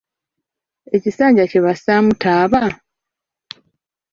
Ekisanja kye bassaamu taba?